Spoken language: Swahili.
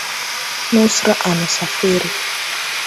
Nusra amesafiri